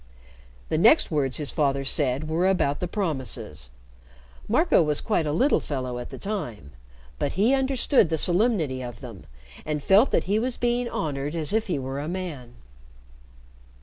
The next words his father said were about the promises. Marco was quite a little fellow at the time, but he understood the solemnity of them, and felt that he was being honored as if he were a man.